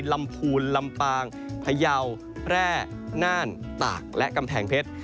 ลำพูนลำปางพยาวแร่น่านตากและกำแพงเพชร